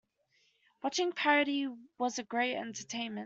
Watching the parody was great entertainment.